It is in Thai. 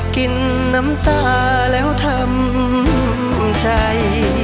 กินน้ำตาแล้วทำใจ